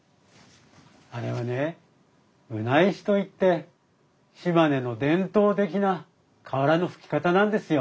あれはね棟石といって島根の伝統的な瓦の葺き方なんですよ。